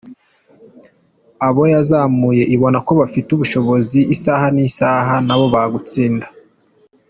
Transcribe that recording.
Abo yazamuye ibona ko bafite ubushobozi, isaha n’isaha nabo bagutsinda”.